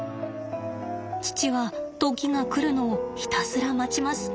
父は時が来るのをひたすら待ちます。